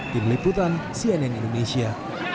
diliputan cnn indonesia